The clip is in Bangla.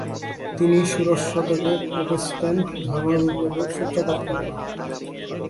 তিনি ষোড়শ শতকে প্রটেস্ট্যান্ট ধর্মবিপ্লবের সূত্রপাত করেন।